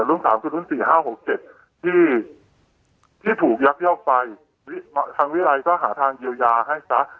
รุ่น๓คือรุ่น๔๕๖๗ที่ถูกยักยอกไปทางวิรัยก็หาทางเยียวยาให้ซะ